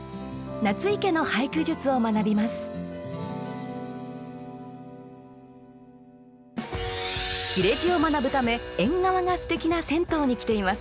夏井家の俳句術を学びます切れ字を学ぶため縁側がステキな銭湯に来ています。